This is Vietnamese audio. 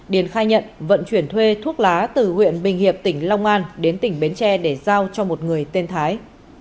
điền khai nhận vận chuyển thuê thuốc lá từ huyện bình hiệp tỉnh long an đến tỉnh bến tre để giao cho một người tên thái